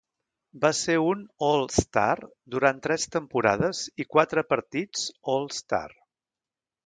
Va ser un All-Star durant tres temporades i quatre partits All-Star.